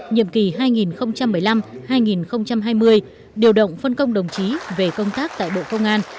nhiệm kỳ hai nghìn một mươi năm hai nghìn hai mươi điều động phân công đồng chí về công tác tại bộ công an